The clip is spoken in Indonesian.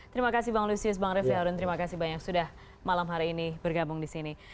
terima kasih bang lusius bang refli harun terima kasih banyak sudah malam hari ini bergabung di sini